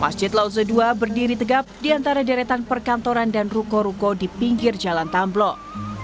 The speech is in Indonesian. masjid lauza ii berdiri tegap di antara deretan perkantoran dan ruko ruko di pinggir jalan tamblok